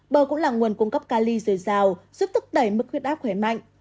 bơ cũng là nguồn cung cấp cali dồi dào giúp thức đẩy mức khuyết áp khỏe mạnh